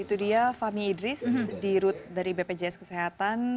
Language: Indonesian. itu dia fahmi idris dirut dari bpjs kesehatan